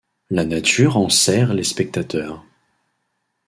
La nature enserre les spectateurs.